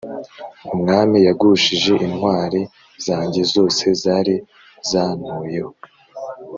Umwami yagushije intwari zanjye zose zari zantuyeho